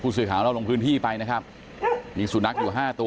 สื่อข่าวเราลงพื้นที่ไปนะครับมีสุนัขอยู่ห้าตัว